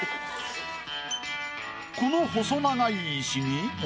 この細長い石に。